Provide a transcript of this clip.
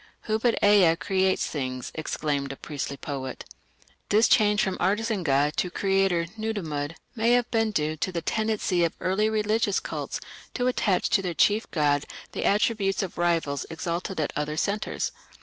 "Who but Ea creates things", exclaimed a priestly poet. This change from artisan god to creator (Nudimmud) may have been due to the tendency of early religious cults to attach to their chief god the attributes of rivals exalted at other centres.